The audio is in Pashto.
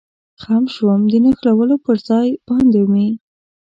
خم شوم، د نښلولو پر ځای باندې مې.